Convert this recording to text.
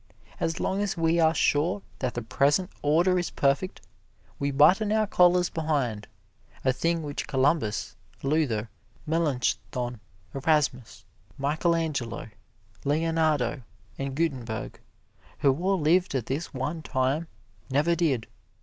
As long as we are sure that the present order is perfect, we button our collars behind, a thing which Columbus, Luther, Melanchthon, Erasmus, Michelangelo, Leonardo and Gutenberg, who all lived at this one time, never did.